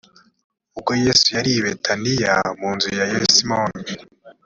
ubwo yesu yari i betaniya mu nzu ya simoni